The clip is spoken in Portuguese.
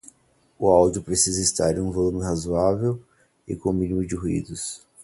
o áudio precisa estar em um volume razoável e com o mínimo de ruídos